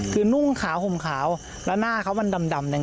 คือนุ่งขาวห่มขาวแล้วหน้าเขามันดำแดง